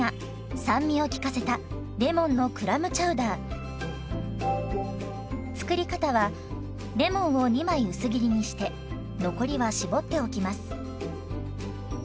酸味を効かせた作り方はレモンを２枚薄切りにして残りは搾っておきます。